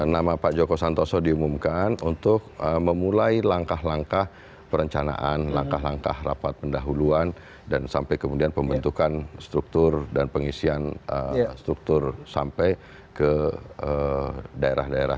nama pak joko santoso diumumkan untuk memulai langkah langkah perencanaan langkah langkah rapat pendahuluan dan sampai kemudian pembentukan struktur dan pengisian struktur sampai ke daerah daerah